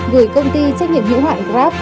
gửi công ty trách nhiệm hữu hạn grab